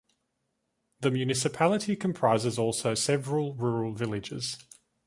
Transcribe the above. The municipality comprises also several rural villages.